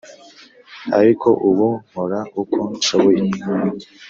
ariko ubu nkora uko nshoboye